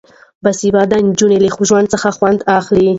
باسواده نجونې له ژوند څخه خوند اخلي.